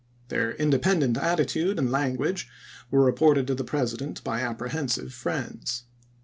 Their independent attitude and language were re ported to the President by apprehensive friends.